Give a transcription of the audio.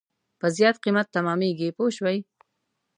په زیات قیمت تمامېږي پوه شوې!.